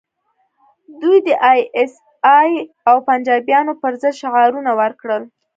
دوی د ای ایس ای او پنجابیانو پر ضد شعارونه ورکړل